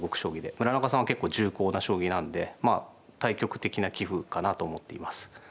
村中さんは結構重厚な将棋なんでまあ対極的な棋風かなと思っています。